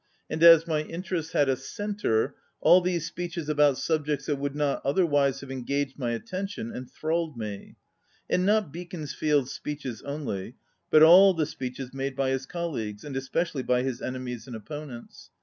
And as my interest had a centre, all these speeches about subjects that would not otherwise have engaged my attention enthralled me, and not Beaconsfield's speeches only, but all the speeches made by his colleagues, and especially by his enemies and opponents.